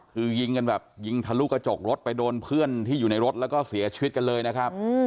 คือยิงกันแบบยิงทะลุกระจกรถไปโดนเพื่อนที่อยู่ในรถแล้วก็เสียชีวิตกันเลยนะครับ